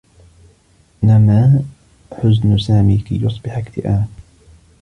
نمى حزن سامي كي يصبح اكتئابا.